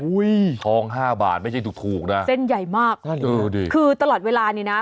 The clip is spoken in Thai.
อุ๊ยทอง๕บาทไม่ใช่ถูกนะน่ะน่าจะดีคือตลอดเวลานี่นะ